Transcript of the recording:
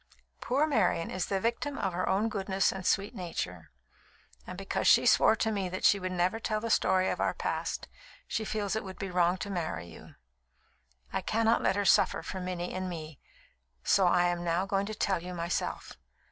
Poor Marian is the victim of her own goodness and sweet nature; and because she swore to me that she would never tell the story of our past, she feels it would be wrong to marry you. I cannot let her suffer for Minnie and me, so I am now going to tell you, myself.